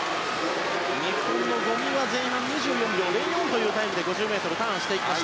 日本の五味は２４秒０４というタイムで５０ｍをターンしていきました。